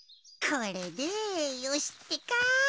これでよしってか。